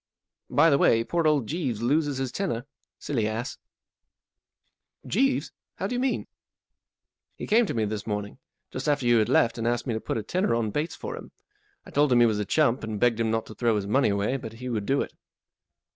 By the way, poor old Jeeves loses his tenner. Silly ass !" 44 Jeeves ? How do you mean ?" 44 He came to me this morning, just after you had left, and asked me to put a tenner on Bates for him. I told him he was a chump and begged him not to throw his money away, but he would do it."